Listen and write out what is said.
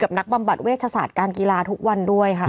นักบำบัดเวชศาสตร์การกีฬาทุกวันด้วยค่ะ